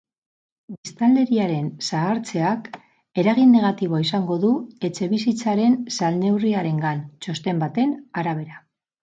Biztanleriaren zahartzeak eragin negatiboa izango du etxebizitzaren salneurriarengan, txosten baten arabera.